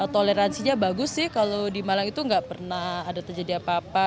toleransinya bagus sih kalau di malang itu nggak pernah ada terjadi apa apa